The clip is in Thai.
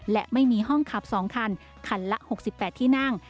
และไม่มีห้องขับ๒คันคันละ๖๘ที่นั่ง